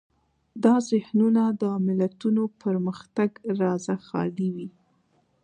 دا ذهنونه د ملتونو پرمختګ رازه خالي وي.